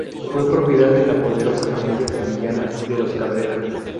Fue propiedad de la poderosa familia sevillana de los Cabrera.